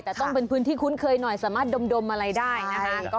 แต่ต้องเป็นพื้นที่คุ้นเคยหน่อยสามารถดมอะไรได้นะคะ